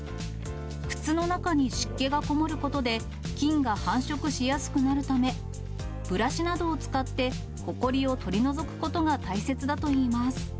靴の中に湿気がこもることで、菌が繁殖しやすくなるため、ブラシなどを使って、ほこりを取り除くことが大切だといいます。